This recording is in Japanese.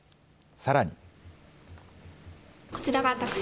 さらに。